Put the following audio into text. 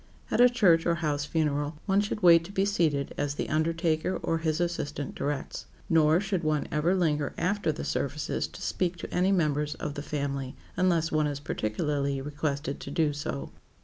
At a church or house funeral, one should wait to be seated as the undertaker or his assistant directs. Nor should one ever linger after the services to speak to any members of the family, unless one is particularly requested to do so.